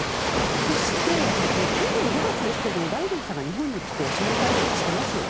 そして、去年５月ですけれどもバイデンさんが日本に来て首脳会談はしてますよね。